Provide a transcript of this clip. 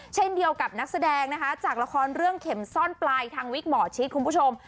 เช่นเดียวกับนักแสดงนะคะจากละครเรื่องเข็มซ่อนปลายทางวิกหมอชิดคุณผู้ชม